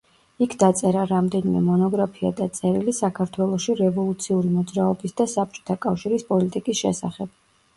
იქ დაწერა რამდენიმე მონოგრაფია და წერილი საქართველოში რევოლუციური მოძრაობის და საბჭოთა კავშირის პოლიტიკის შესახებ.